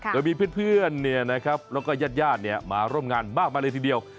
โดยมีเพื่อนเนี่ยนะครับแล้วก็ญาติย่านเนี่ยมาร่วมงานมากมาเลยทีเดียว